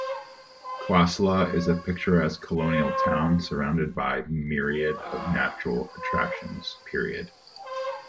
Cosala is a picturesque colonial town surrounded by myriad of natural attractions.